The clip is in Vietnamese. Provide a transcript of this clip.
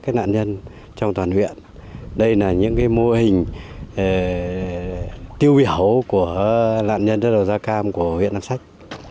các nạn nhân trong toàn huyện đây là những mô hình tiêu biểu của nạn nhân đất đồ da cam của huyện năm sách